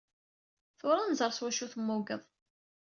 Tura ad nẓer s wacu temmugeḍ.